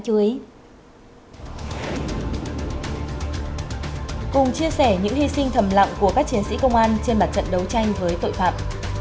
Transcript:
cùng chia sẻ những hy sinh thầm lặng của các chiến sĩ công an trên mặt trận đấu tranh với tội phạm